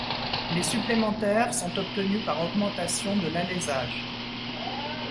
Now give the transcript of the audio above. Les supplémentaires sont obtenus par augmentation de de l'alésage.